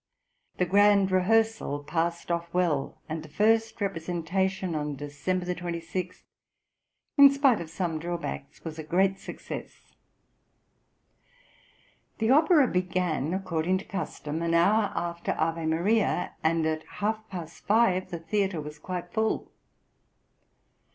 The grand rehearsal passed off well; and the first representation on December 26, in spite of some drawbacks, was a great success. The opera began, according to custom, an hour after Ave Maria, and at half past five the theatre was {PERFORMANCE OF "LUCIO SILLA."} (143) quite full.